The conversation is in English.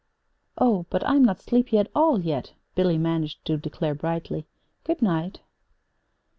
"Oh, but I'm not sleepy at all, yet," Billy managed to declare brightly. "Good night."